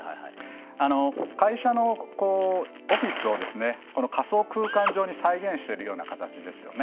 会社のオフィスを仮想空間上に再現しているような形ですよね。